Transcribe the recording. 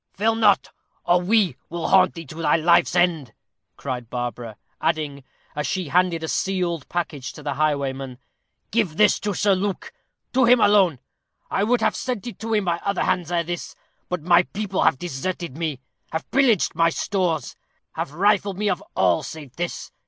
"Fail not, or we will haunt thee to thy life's end," cried Barbara; adding, as she handed a sealed package to the highwayman, "Give this to Sir Luke to him alone. I would have sent it to him by other hands ere this, but my people have deserted me have pillaged my stores have rifled me of all save this.